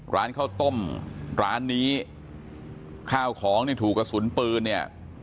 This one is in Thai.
ร้านข้าวต้มร้านนี้ข้าวของนี่ถูกกระสุนปืนเนี่ย